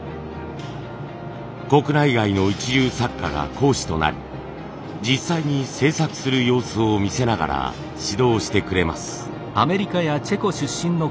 国内外の一流作家が講師となり実際に制作する様子を見せながら指導してくれます。